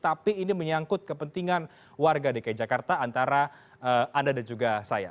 tapi ini menyangkut kepentingan warga dki jakarta antara anda dan juga saya